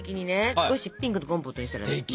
少しピンクのコンポートにしたらいいなって。